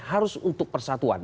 harus untuk persatuan